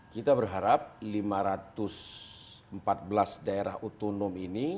kita berharap lima ratus empat belas daerah otonom ini